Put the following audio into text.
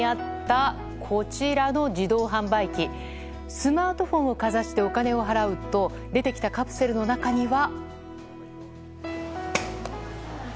スマートフォンをかざしてお金を払うと出てきたカプセルの中には。